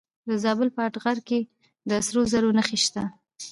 د زابل په اتغر کې د سرو زرو نښې شته.